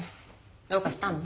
どうかしたの？